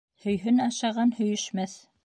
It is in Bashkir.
Һөйһөн ашаған Һөйөшмәҫ.